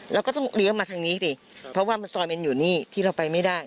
เราก็ต้องเลี้ยวมาทางนี้สิเพราะว่าซอยมันอยู่นี่ที่เราไปไม่ได้